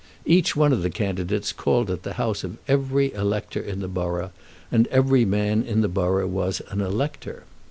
Each one of the candidates called at the house of every elector in the borough, and every man in the borough was an elector.